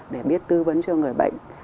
để biết tư vấn cho người bệnh